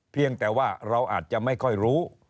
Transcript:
เพียงแต่ว่าเราอาจจะไม่ค่อยรู้